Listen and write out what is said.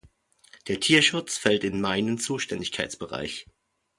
Der Tierschutz fällt in meinen Zuständigkeitsbereich.